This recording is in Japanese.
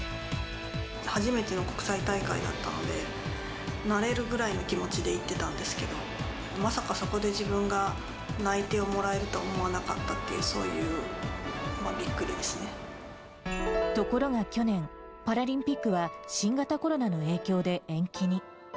初めての国際大会だったので、慣れるぐらいの気持ちで行ってたんですけど、まさかそこで自分が、内定をもらえるとは思わなかったっていう、そういう、びっくりでところが去年、パラリンピックは新型コロナの影響で、延期に。